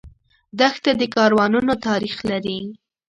دښته د کاروانونو تاریخ لري.